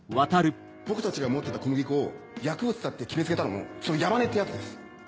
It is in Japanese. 僕たちが持ってた小麦粉を薬物だって決め付けたのもその山根ってヤツです。